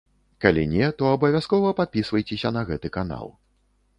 Калі не, то абавязкова падпісвайцеся на гэты канал.